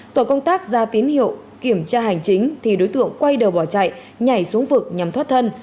tổ công tác ra tín hiệu kiểm tra hành chính thì đối tượng quay đầu bỏ chạy nhảy xuống vực nhằm thoát thân